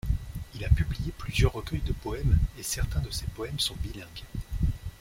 Il a publié plusieurs recueils de poèmes et certains de ses poèmes sont bilingues.